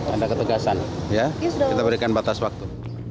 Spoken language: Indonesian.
ada ketegasan kita berikan batas waktu